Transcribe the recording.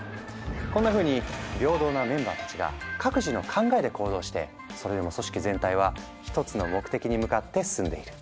こんなふうに平等なメンバーたちが各自の考えで行動してそれでも組織全体は一つの目的に向かって進んでいる。